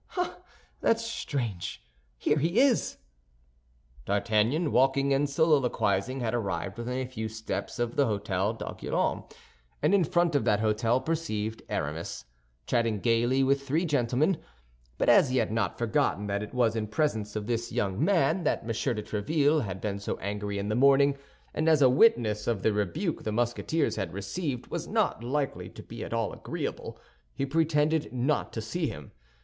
Ah! That's strange! Here he is!" D'Artagnan, walking and soliloquizing, had arrived within a few steps of the hôtel d'Arguillon and in front of that hôtel perceived Aramis, chatting gaily with three gentlemen; but as he had not forgotten that it was in presence of this young man that M. de Tréville had been so angry in the morning, and as a witness of the rebuke the Musketeers had received was not likely to be at all agreeable, he pretended not to see him.